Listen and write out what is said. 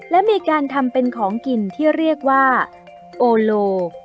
และมีการทำเป็นของกินที่เรียกว่าโอโล